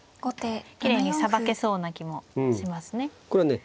きれいにさばけそうな気もしますね。